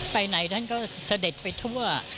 ไปไหนท่านก็เสด็จไปทั่ว